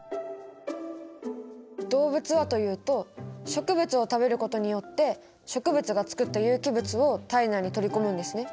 動物はというと植物を食べることによって植物が作った有機物を体内に取り込むんですね。